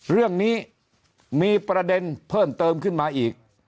เรื่องนี้มีประเด็นเพิ่มเติมขึ้นมาอีก